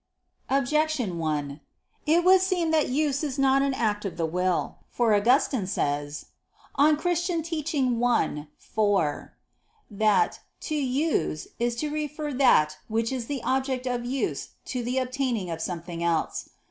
Objection 1: It would seem that use is not an act of the will. For Augustine says (De Doctr. Christ. i, 4) that "to use is to refer that which is the object of use to the obtaining of something else."